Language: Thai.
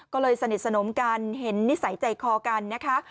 ก็เลยสนิทสนมกันเห็นนิสัยใจคอกันนะคะ